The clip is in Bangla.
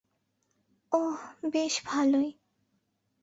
ওহ, বেশ ভালোই।